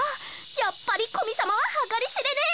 やっぱり古見様は計り知れねぇ！